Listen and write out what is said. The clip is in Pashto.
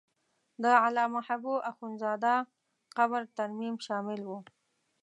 د علامه حبو اخند زاده قبر ترمیم شامل و.